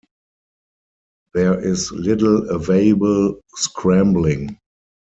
There is little available scrambling.